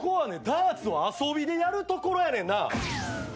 ダーツを遊びでやる所やねんな。